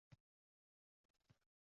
Derazadan turardim boqib.